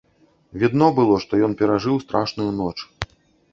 Відно было, што ён перажыў страшную ноч.